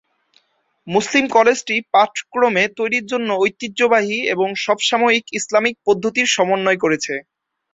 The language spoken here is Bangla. মুসলিম কলেজটি পাঠক্রম তৈরির জন্য ঐতিহ্যবাহী এবং সমসাময়িক ইসলামিক পদ্ধতির সমন্বয় করেছে।